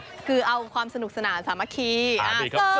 คือเอาความสนุกสนานสามัคคี